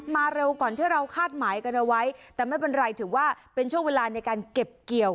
เร็วก่อนที่เราคาดหมายกันเอาไว้แต่ไม่เป็นไรถือว่าเป็นช่วงเวลาในการเก็บเกี่ยว